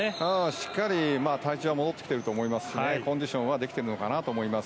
しっかり体調は戻ってきていると思いますしコンディションはできていると思います。